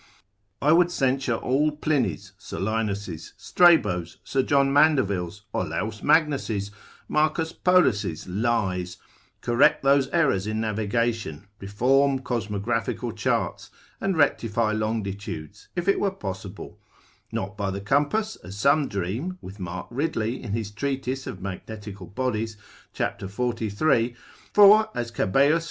I would censure all Pliny's, Solinus', Strabo's, Sir John Mandeville's, Olaus Magnus', Marcus Polus' lies, correct those errors in navigation, reform cosmographical charts, and rectify longitudes, if it were possible; not by the compass, as some dream, with Mark Ridley in his treatise of magnetical bodies, cap. 43. for as Cabeus magnet philos. lib. 3. cap. 4.